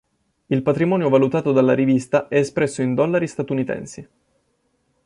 Il patrimonio valutato dalla rivista è espresso in dollari statunitensi.